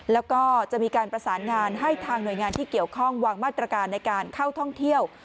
แล้วก็จะมีการประสานงานให้ทางหน่วยงานที่เกี่ยวข้องวางมาตรการในการเข้าท่องเที่ยว